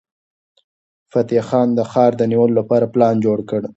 فتح خان د ښار د نیولو لپاره پلان جوړ کړ.